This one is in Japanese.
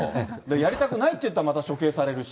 やりたくないと言ったらまた処刑されるし。